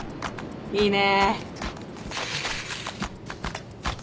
いいね